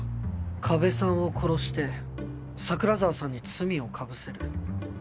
加部さんを殺して桜沢さんに罪をかぶせる。